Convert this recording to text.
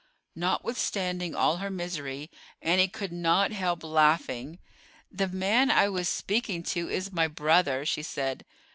Notwithstanding all her misery, Annie could not help laughing. "The man I was speaking to is my brother," she said.